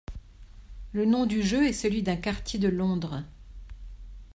Le nom du jeu est celui d'un quartier de Londres.